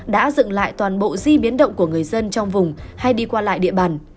đã dựng lại toàn bộ di biến động của người dân trong vùng hay đi qua lại địa bàn